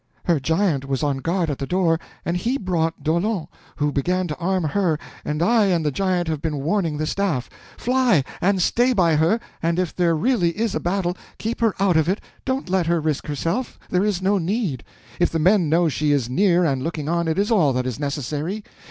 Her giant was on guard at the door, and he brought D'Aulon, who began to arm her, and I and the giant have been warning the staff. Fly!—and stay by her; and if there really is a battle, keep her out of it—don't let her risk herself—there is no need—if the men know she is near and looking on, it is all that is necessary.